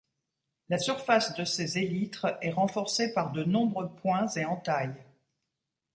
La surface de ses élytres est renforcée par de nombreux points et entailles.